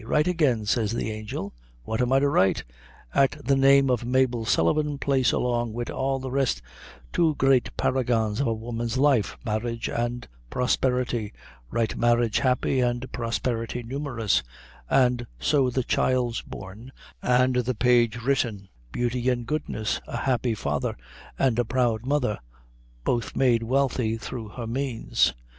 Write again, says the angel. What am I to write? At the name of Mabel Sullivan place along wid all the rest, two great paragons of a woman's life, Marriage and Prosperity write marriage happy, and prosperity numerous and so the child's born, an' the page written beauty and goodness, a happy father, and a proud mother both made wealthy through her means."